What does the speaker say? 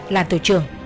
là tổ trưởng